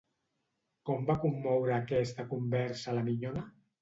Com va commoure aquesta conversa a la minyona?